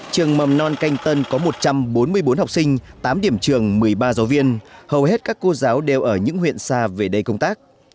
trường mầm non canh tân có một trăm bốn mươi bốn học sinh tám điểm trường một mươi ba giáo viên hầu hết các cô giáo đều ở những huyện xa về đây công tác